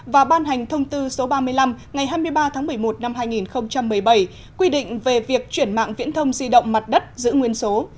và ban hành thông tư số ba mươi năm ngày hai mươi ba tháng một mươi một năm hai nghìn một mươi bảy quy định về việc chuyển mạng viễn thông di động mặt đất giữ nguyên số